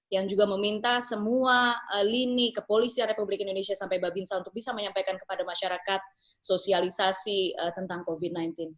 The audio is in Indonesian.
yang juga meminta semua lini kepolisian republik indonesia sampai babinsa untuk bisa menyampaikan kepada masyarakat sosialisasi tentang covid sembilan belas